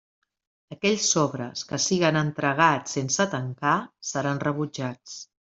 Aquells sobres que siguen entregats sense tancar seran rebutjats.